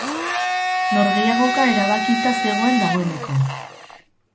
Norgehiagoka erabakita zegoen dagoeneko.